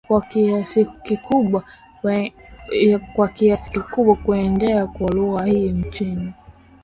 kwakiasi kikubwa kuenea kwa lugha hii nchini